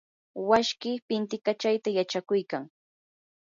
washkii pintikachayta yachakuykan.